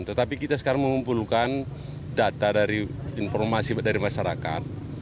tetapi kita sekarang mengumpulkan data dari informasi dari masyarakat